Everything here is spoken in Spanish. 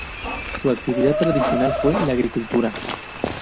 Su actividad tradicional fue la agricultura.